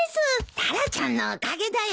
タラちゃんのおかげだよ。